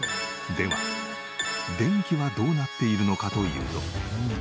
では電気はどうなっているのかというと。